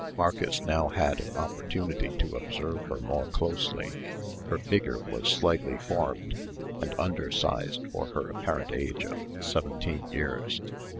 Marcus now had an opportunity to observe her more closely. Her figure was slightly formed, and undersized for her apparent age of seventeen years.